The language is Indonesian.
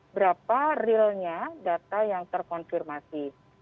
berapa realnya data yang terkonfirmasi